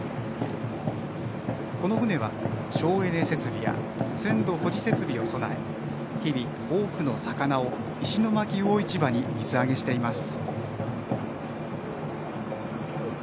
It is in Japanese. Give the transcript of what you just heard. この船は省エネ設備や鮮度保持設備を備え日々、多くの魚を石巻魚市場に水揚げしています。